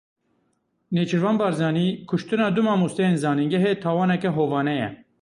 Nêçîrvan Barzanî: Kuştina du mamosteyên zanîngehê tawaneke hovane ye.